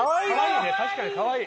確かにかわいい。